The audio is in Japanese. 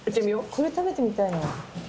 これ食べてみたいな。